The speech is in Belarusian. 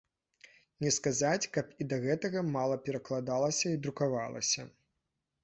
Не сказаць, каб і да гэтага мала перакладалася і друкавалася.